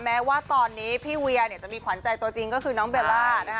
แม้ว่าตอนนี้พี่เวียเนี่ยจะมีขวัญใจตัวจริงก็คือน้องเบลล่านะคะ